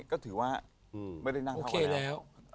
ก็ถือว่าไม่ได้นั่งเท่าไรแล้ว